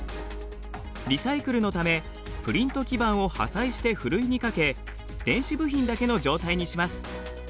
リサイクルのためプリント基板を破砕してふるいにかけ電子部品だけの状態にします。